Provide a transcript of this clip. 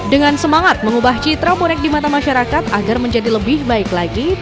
dengan semangat mengubah citra bonek di mata masyarakat agar menjadi lebih baik lagi